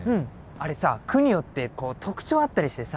あれさ区によってこう特徴あったりしてさ。